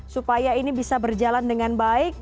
supaya ini bisa berjalan dengan baik